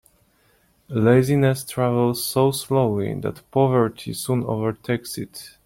Laziness travels so slowly that poverty soon overtakes it.